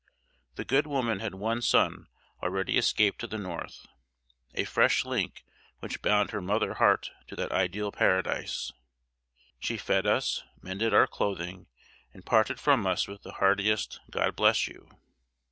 The good woman had one son already escaped to the North a fresh link which bound her mother heart to that ideal paradise. She fed us, mended our clothing, and parted from us with the heartiest "God bless you!"